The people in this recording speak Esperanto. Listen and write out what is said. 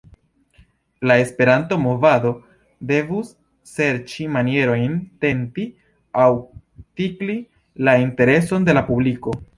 La Esperanto-movado devus serĉi manierojn tenti aŭ tikli la intereson de la publiko.